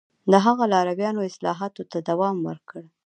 د هغه لارویانو اصلاحاتو ته دوام ورکړ